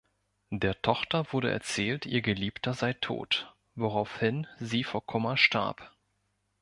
Der Tochter wurde erzählt, ihr Geliebter sei tot, woraufhin sie vor Kummer starb.